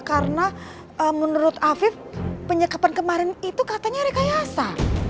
karena menurut afif penyekapan kemarin itu katanya rekayasa